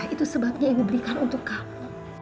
itu sebabnya ibu berikan untuk kamu